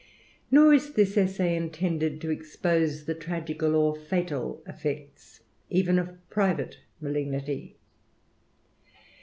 Nor is this essay intended to expose the tragical or fetal effects even of private malignity.